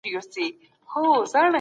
رواني ملاتړ ډېر مهم دی.